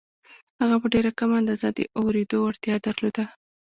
هغه په ډېره کمه اندازه د اورېدو وړتيا درلوده.